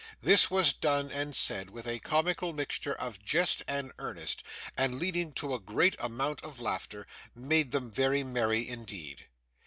This was done and said with a comical mixture of jest and earnest, and, leading to a great amount of laughter, made them very merry indeed.